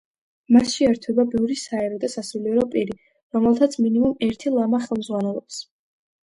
მასში ერთვება ბევრი საერო და სასულიერო პირი, რომელთაც მინიმუმ ერთი ლამა ხელმძღვანელობს.